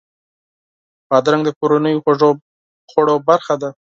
بادرنګ د کورنیو خوړو برخه ده.